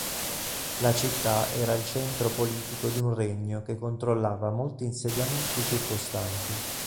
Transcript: La città era il centro politico di un regno che controllava molti insediamenti circostanti.